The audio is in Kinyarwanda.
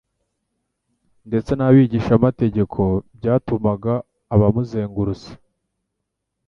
ndetse n'abigishamategeko byatumaga abamuzenguruse,